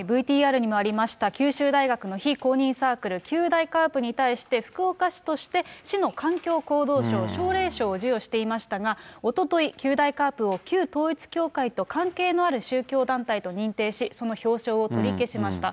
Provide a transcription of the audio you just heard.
ＶＴＲにもありました九州大学の非公認サークル、九大ＣＡＲＰに対して、福岡市として市の環境行動賞・奨励賞を授与していましたが、おととい、九大ＣＡＲＰを旧統一教会と関係のある宗教団体と認定し、その表彰を取り消しました。